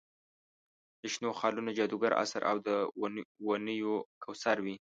د شنو خالونو جادوګر اثر او د ونیو کوثر وي.